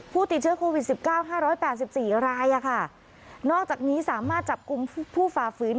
ผู้ติดเชื้อโควิดสิบเก้าห้าร้อยแปดสิบสี่รายอ่ะค่ะนอกจากนี้สามารถจับกลุ่มผู้ฝ่าฝืน